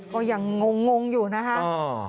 ก็ยังงงอยู่นะคะ